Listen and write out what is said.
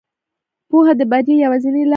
پوهه د بریا یوازینۍ لاره ده.